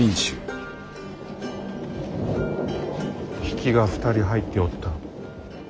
比企が２人入っておった。